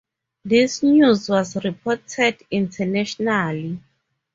This news was reported internationally.